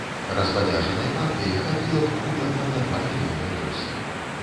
Разбадзяжанай партыі хапіла б прыкладна на два мільёны доз.